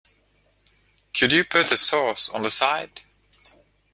Could you put the sauce on the side?